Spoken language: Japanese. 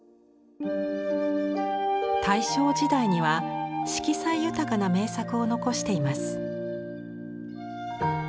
大正時代には色彩豊かな名作を残しています。